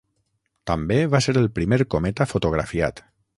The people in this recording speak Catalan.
També va ser el primer cometa fotografiat.